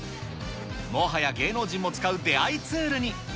もはや芸能人も使う出会いツールに。